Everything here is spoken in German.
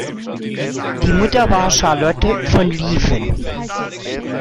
Die Mutter war Charlotte von Lieven.